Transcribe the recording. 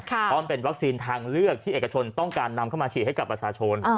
เพราะมันเป็นวัคซีนทางเลือกที่เอกชนต้องการนำเข้ามาฉีดให้กับประชาชน